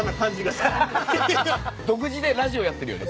独自でラジオやってるよね。